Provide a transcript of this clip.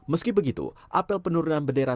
meski begitu apel penurunan bendera